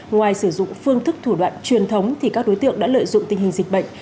ngoài sử dụng phương thức thủ đoạn truyền thống thì các đối tượng đã lợi dụng tình hình dịch bệnh